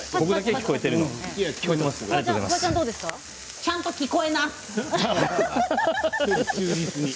ちゃんと聞こえなす。